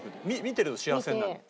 見てると幸せになるの？